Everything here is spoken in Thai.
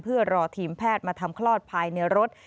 เพื่อรอทีมแพทย์มาทำคลอดภายในรถ